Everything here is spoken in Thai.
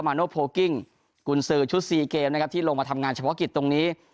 โนโพลกิ้งกุญสือชุดซีเกมนะครับที่ลงมาทำงานเฉพาะกิจตรงนี้